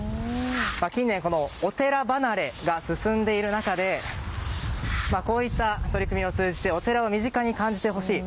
近年、お寺離れが進んでいる中でこういった取り組みを通じてお寺を身近に感じてほしい。